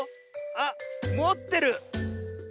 あっもってる。